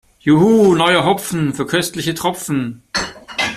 Juhu, neuer Hopfen für köstliche Tropfen!